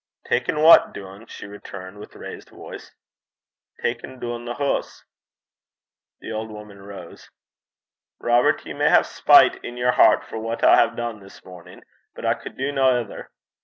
'Takin' what doon?' she returned, with raised voice. 'Takin' doon the hoose.' The old woman rose. 'Robert, ye may hae spite in yer hert for what I hae dune this mornin', but I cud do no ither.